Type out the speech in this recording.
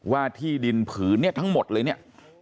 ว่าที่ดินผืนเนี่ยทั้งหมดเลยเนี่ย